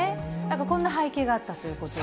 こんな背景があったということで。